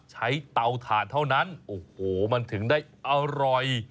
เตาถ่านเท่านั้นโอ้โหมันถึงได้อร่อย